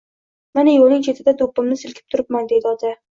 "Mana, yo‘lning chetida do‘ppimni silkib turibman" deydi Ota.